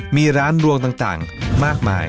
มีร้านรวงต่างมากมาย